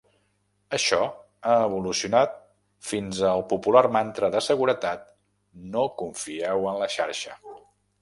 Això ha evolucionat fins al popular mantra de seguretat "No confieu en la xarxa".